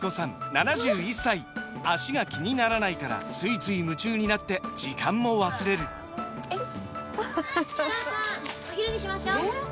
７１歳脚が気にならないからついつい夢中になって時間も忘れるお母さんお昼にしましょうえー